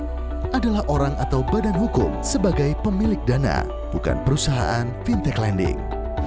mereka adalah orang atau badan hukum sebagai pemilik dana bukan perusahaan fintech lending